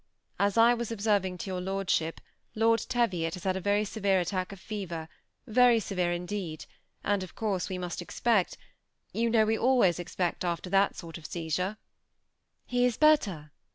As I was observing to your lord ship. Lord Teviot has had a very severe attack of fever, very severe indeed, and of course we must expect . You know we always expect afler that sort of seiz ure" " He is better